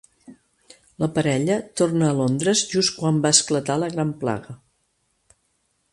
La parella torna a Londres just quan va esclatar la gran plaga.